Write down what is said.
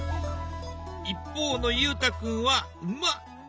一方の裕太君は馬！